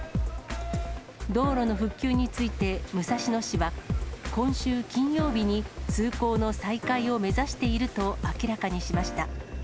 道路の復旧について武蔵野市は、今週金曜日に通行の再開を目指していると明らかにしました。